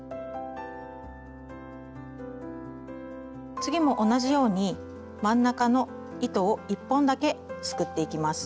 次も同じように真ん中の糸を１本だけすくっていきます。